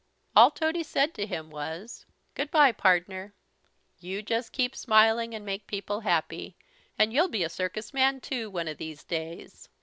All Tody said to him was: "Good bye, pardner, you just keep smiling and make people happy, and you'll be a circus man too, one of these days."